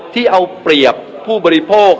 ที่เอาเปรียบผู้บริโภค